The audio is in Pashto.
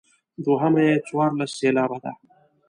دوهمه یې څوارلس سېلابه ده.